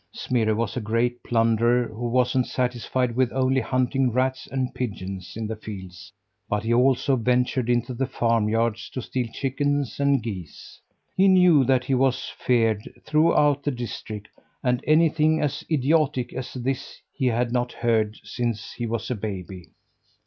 Smirre was a great plunderer who wasn't satisfied with only hunting rats and pigeons in the fields, but he also ventured into the farmyards to steal chickens and geese. He knew that he was feared throughout the district; and anything as idiotic as this he had not heard since he was a baby.